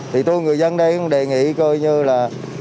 thì tôi người dân đây cũng đề nghị coi như là